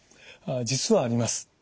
実はあります。